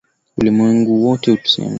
Ulimwengu wote tuseme